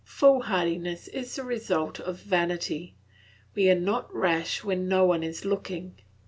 Foolhardiness is the result of vanity; we are not rash when no one is looking.